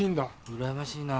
うらやましいな。